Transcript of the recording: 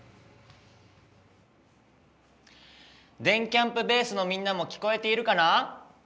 電キャんぷベースのみんなも聞こえているかな？